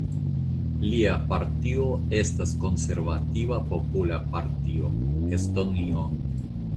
Lia partio estas Konservativa popola partio (Estonio).